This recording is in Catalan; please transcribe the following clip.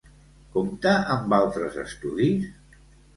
Compta amb altres estudis?